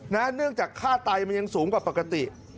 เนื่องจากค่าไตมันยังสูงกว่าปกติ